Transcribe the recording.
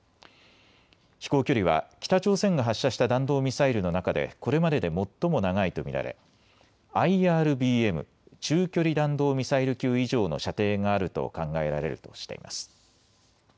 飛行距離は北朝鮮が発射した弾道ミサイルの中でこれまでで最も長いと見られ、ＩＲＢＭ・中距離弾道ミサイル級以上の射程があると考えられるとしています。